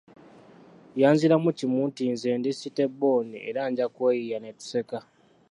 Yanziramu kimu nti nze ndi "City bbooni era nja kweyiiya" ne tuseka.